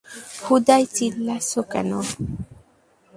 হুদাই চিল্লাছো কেন?